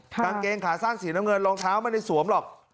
กางเกงขาสั้นสีน้ำเงินรองเท้าไม่ได้สวมหรอก